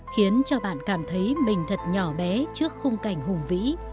khiến cho bạn cảm thấy mình thật nhỏ bé trước khung cảnh hùng vĩ